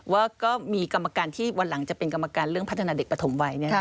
ว่าก็มีกรรมการที่วันหลังจะเป็นกรรมการเรื่องพัฒนาเด็กปฐมวัย